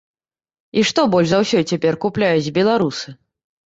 І што больш за ўсё цяпер купляюць беларусы.